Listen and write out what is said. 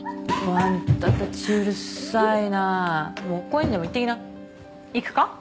あんたたちうるさいなもう公園にでも行ってきな行くか？